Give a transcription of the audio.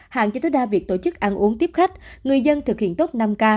hạn cho tối đa việc tổ chức ăn uống tiếp khách người dân thực hiện tốt năm k